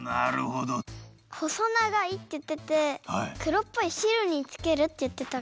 ほそながいっていっててくろっぽいしるにつけるっていってた。